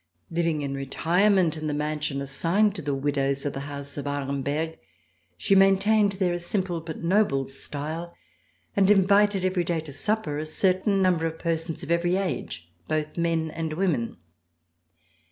Living in retirement in the mansion assigned to the widows of the Flouse of Arenberg, she maintained there a simple but noble style and invited every day to supper a certain number of persons of every age, both men and women.